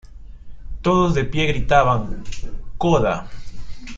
Todos de pie gritaban ¡Coda!